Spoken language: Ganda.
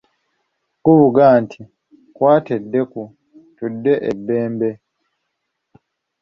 Guvuga nti, kwata eddeku tudde e Bbembe.